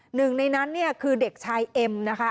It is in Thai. หนึ่งในนั้นเนี่ยคือเด็กชายเอ็มนะคะ